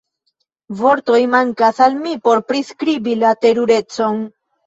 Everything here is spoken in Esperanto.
Vortoj mankas al mi por priskribi la terurecon.